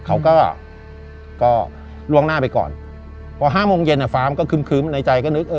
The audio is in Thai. เขาก็ล่วงหน้าไปก่อนพอ๕โมงเย็นฟ้ามก็คึ้มในใจก็นึก